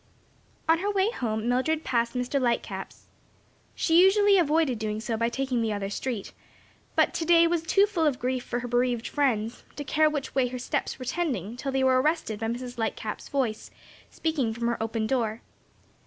On her way home Mildred passed Mr. Lightcap's. She usually avoided doing so by taking the other street; but to day was too full of grief for her bereaved friends, to care which way her steps were tending till they were arrested by Mrs. Lightcap's voice, speaking from her open door.